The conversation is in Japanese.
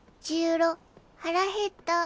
ろはらへった。